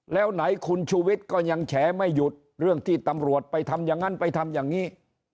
แล้วไหนคุณชูวิทย์ก็ยังแฉไม่หยุดเรื่องที่ตำรวจไปทำอย่างนั้นไปทำอย่างนี้